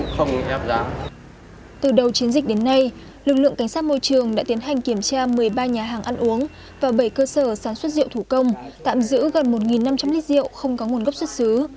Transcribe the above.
từ đầu chiến dịch đến nay lực lượng cảnh sát môi trường đã tiến hành kiểm tra một mươi ba nhà hàng ăn uống và bảy cơ sở sản xuất rượu thủ công tạm giữ gần một năm trăm linh lít rượu không có nguồn gốc xuất xứ